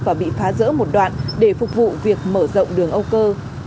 và bị phá rỡ một đoạn để phục vụ việc mở rộng đường âu cơ